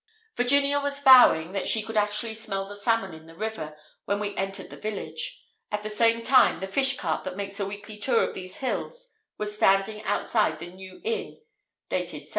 Virginia was vowing that she could actually smell the salmon in the river, when we entered the village; at the same time, the fish cart that makes a weekly tour of these hills was standing outside the "New Inn" (dated 1724).